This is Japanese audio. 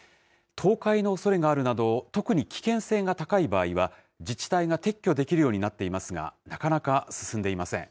倒壊のおそれがあるなど、特に危険性が高い場合は、自治体が撤去できるようになっていますが、なかなか進んでいません。